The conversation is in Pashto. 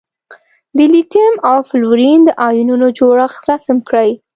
د لیتیم او فلورین د ایونونو جوړښت رسم کړئ.